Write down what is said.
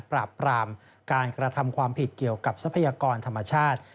ปราบปรามการกระทำความผิดเกี่ยวกับทรัพยากรธรรมชาติ